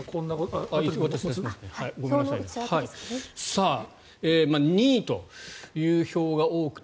さあ、２位という票が多く。